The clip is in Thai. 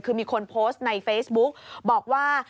คือมีคนโพสต์ในเฟซบุ๊กบอกว่า